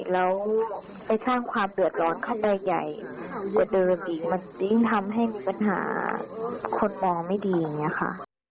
แล้วไปสร้างความเดือดร้อนเข้าไปใหญ่กว่าเดิมอีกมันยิ่งทำให้มีปัญหาคนมองไม่ดีอย่างนี้ค่ะ